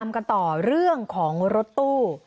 กันต่อเรื่องของรถตู้